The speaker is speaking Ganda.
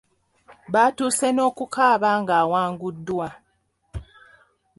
Baatuuse n’okukaaba ng’awanguddwa.